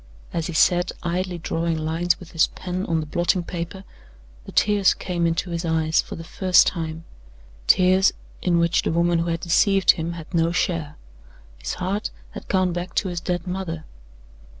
As he sat idly drawing lines with his pen on the blotting paper, the tears came into his eyes for the first time tears in which the woman who had deceived him had no share. His heart had gone back to his dead mother.